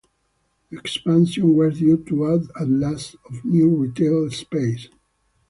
The expansion was due to add at least of new retail space.